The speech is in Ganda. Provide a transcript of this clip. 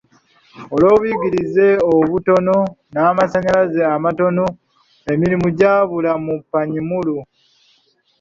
Olw'obuyigirize obutono n'amasannyalaze amatono, emirimu gya bbula mu Panyimur.